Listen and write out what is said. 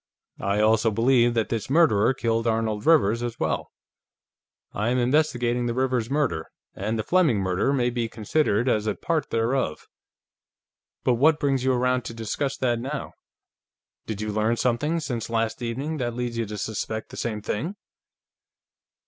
"I also believe that his murderer killed Arnold Rivers, as well. I am investigating the Rivers murder, and the Fleming murder may be considered as a part thereof. But what brings you around to discuss that, now? Did you learn something, since last evening, that leads you to suspect the same thing?"